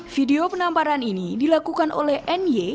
video penamparan ini dilakukan oleh n y